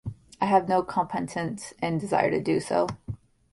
I have no competence and desire to do so.